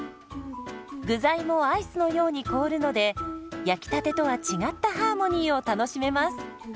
具材もアイスのように凍るので焼きたてとは違ったハーモニーを楽しめます。